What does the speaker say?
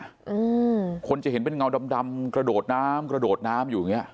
อืมคนจะเห็นเป็นเงาดำดำกระโดดน้ำกระโดดน้ำอยู่อย่างเงี้